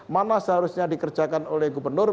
mana seharusnya dikerjakan oleh gubernur